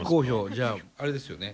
じゃああれですよね？